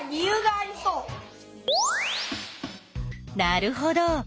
なるほど。